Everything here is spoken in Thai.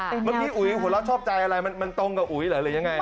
เมื่อกี้อุ๋ยนี่หัวเราชอบใจอะไรจะตรงกับอุ๋ยหรือยังไง